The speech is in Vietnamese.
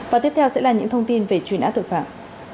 và tiếp theo sẽ là những thông tin về truy nã tội phạm